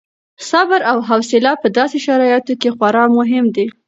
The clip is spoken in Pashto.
صبر او حوصله په داسې شرایطو کې خورا مهم دي.